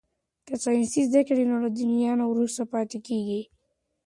که ساینس زده کړو نو له دنیا نه وروسته پاتې کیږو.